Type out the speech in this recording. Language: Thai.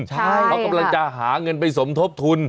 เขากำลังจะหาเงินไปสมทบทุน